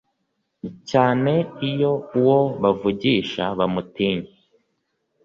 cyane iyo uwo bavugisha bamutinya